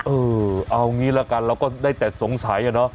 เออเอางี้ละกันเราก็ได้แต่สงสัยอะเนาะ